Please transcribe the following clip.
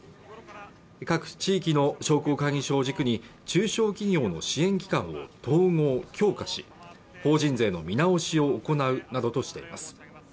各地域の商工会議所を軸に中小企業の支援機関を統合・強化し法人税の見直しを行うなどとしています